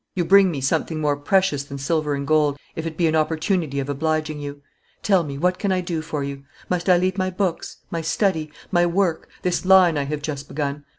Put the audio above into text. You bring me something more precious than silver and gold, if it be an opportunity of obliging you. Tell me, what can I do for you? Must I leave my books, my study, my work, this line I have just begun?